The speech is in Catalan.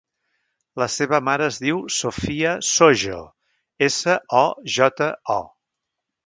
La meva mare es diu Sophia Sojo: essa, o, jota, o.